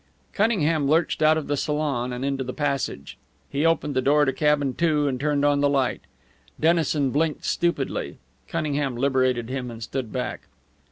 Cunningham lurched out of the salon and into the passage. He opened the door to Cabin Two and turned on the light. Dennison blinked stupidly. Cunningham liberated him and stood back.